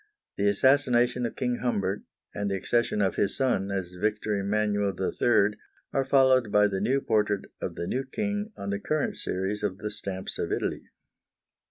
The assassination of King Humbert and the accession of his son as Victor Emmanuel III. are followed by the new portrait of the new king on the current series of the stamps of Italy.